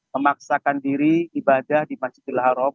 memaksakan diri ibadah di masjid al harab